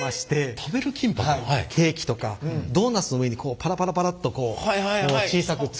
ケーキとかドーナツの上にパラパラパラっと小さく粒状で。